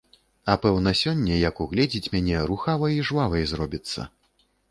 А пэўна сёння, як угледзіць мяне, рухавай і жвавай зробіцца.